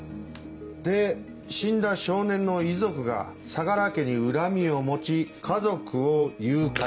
で死んだ少年の遺族が相良家に恨みを持ち家族を誘拐。